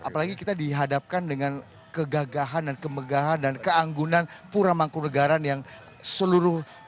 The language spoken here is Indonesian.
apalagi kita dihadapkan dengan kegagahan dan kemegahan dan keanggunan pura mangkunagaran yang seluruh